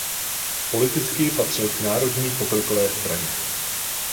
Politicky patřil k Národní pokrokové straně.